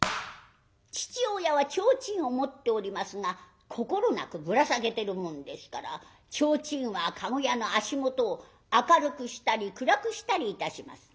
父親はちょうちんを持っておりますが心なくぶら下げてるもんですからちょうちんは駕籠屋の足元を明るくしたり暗くしたりいたします。